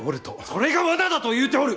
それが罠だと言うておる！